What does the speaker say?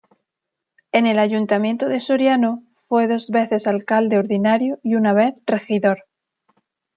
En el Ayuntamiento de Soriano fue dos veces Alcalde ordinario y una vez Regidor.